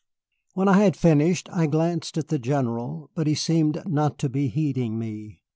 When I had finished I glanced at the General, but he seemed not to be heeding me.